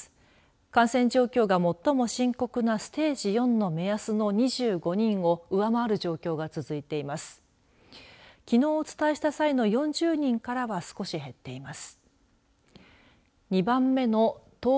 感染状況が最も深刻なステージ４の目安の２５人を上回る状況が続いています。